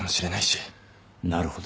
なるほど。